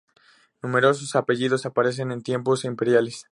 Numerosos apellidos aparecen en tiempos imperiales.